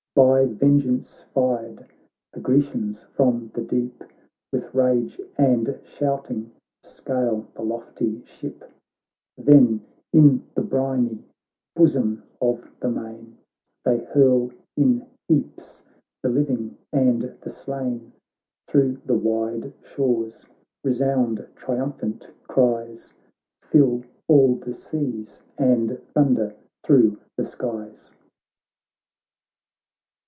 By vengeance fired, the Grecians from the deep With rage and shouting scale the lofty ship, Then in the briny bosom of the main They hurlin heaps thelivingandtheslain; Thro' thewideshores resound triumphant cries. Fill all the seas, and thunder thro' the skies.